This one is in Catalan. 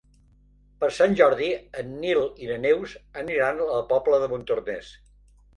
Per Sant Jordi en Nil i na Neus aniran a la Pobla de Montornès.